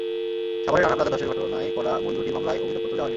সাভারে রানা প্লাজা ধসের ঘটনায় করা মূল দুটি মামলায় অভিযোগপত্র দেওয়া হয়নি।